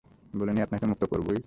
বলিনি আপনাকে মুক্ত করবোই?